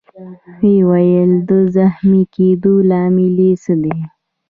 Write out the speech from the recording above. ويې ویل: د زخمي کېدو لامل يې څه دی؟